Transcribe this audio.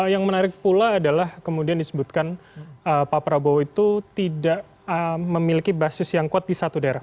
yang menarik pula adalah kemudian disebutkan pak prabowo itu tidak memiliki basis yang kuat di satu daerah